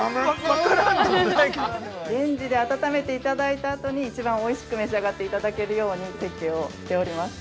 ◆レンジで温めていただいたあとに一番おいしく召し上がっていただけるように追求をしております。